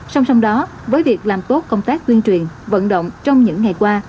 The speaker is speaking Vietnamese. song song đó với việc làm tốt công tác tuyên truyền vận động trong những ngày qua